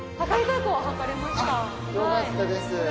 よかったです。